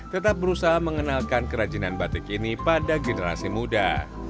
tetap berusaha mengenalkan kerajinan batik ini pada generasi muda